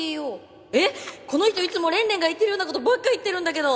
えっこの人いつもれんれんが言ってるようなことばっか言ってるんだけど。